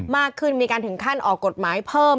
มากขึ้นมีการถึงขั้นออกกฎหมายเพิ่ม